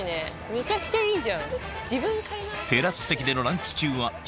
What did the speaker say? めちゃくちゃいいじゃん。